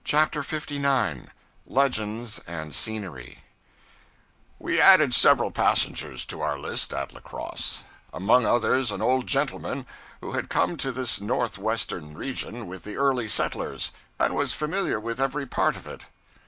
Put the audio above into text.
CHAPTER 59 Legends and Scenery WE added several passengers to our list, at La Crosse; among others an old gentleman who had come to this north western region with the early settlers, and was familiar with every part of it.